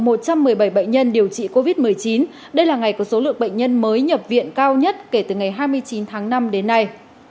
trong một trăm một mươi bảy bệnh nhân điều trị covid một mươi chín đây là ngày có số lượng bệnh nhân mới nhập viện cao nhất kể từ ngày hai mươi chín tháng năm đến nay